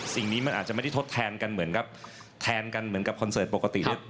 สิ่งนี้มันอาจจะไม่ทดแทนกันเหมือนกับคอนเซิร์ตปกติ